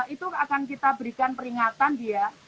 itu akan kita berikan peringatan dia